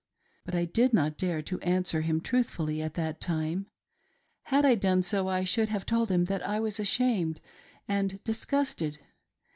But I did not dare to answer him truthfully at that time. Had I done so, I should have told him that I was ashamed and disgusted.